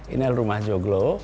ini rumah joglo